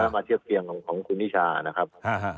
มาเทียบเคียงของคุณนิชานะครับ